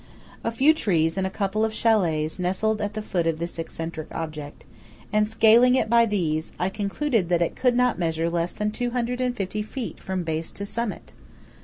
A few trees and a couple of chalets nestled at the foot of this eccentric object; and, scaling it by these, I concluded that it could not measure less than 250 feet from base to summit.